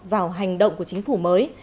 vào hành động của chính phủ mới